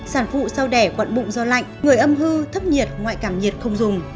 sản phụ sau đẻ quặn bụng do lạnh người âm hư thấp nhiệt ngoại cảm nhiệt không dùng